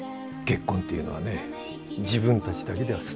結婚っていうのはね自分たちだけでは済まないから。